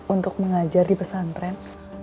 untuk mengajar di pesantren